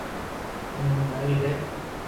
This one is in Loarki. ھون ھڻاوي لي